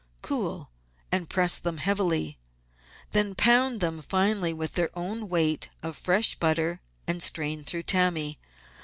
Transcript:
Cool, and press them heavily. Then pound them finely with their own weight of fresh butter and strain through tammy.